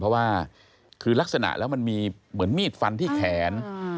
เพราะว่าคือลักษณะแล้วมันมีเหมือนมีดฟันที่แขน